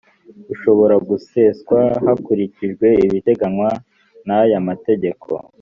ushobora guseswa hakurikijwe ibiteganywa n aya mategeko